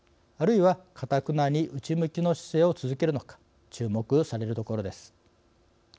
あるいは、かたくなに内向きの姿勢を続けるのか注目されるところです。